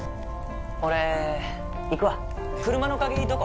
俺行くわ車の鍵どこ？